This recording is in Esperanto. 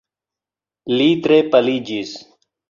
Li tre paliĝis.